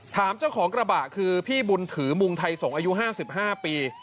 ถามเจ้าของกระบะคือพี่บุญถือมุงไทยสงฆ์อายุ๕๕ปี